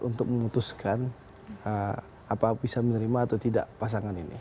untuk memutuskan apa bisa menerima atau tidak pasangan ini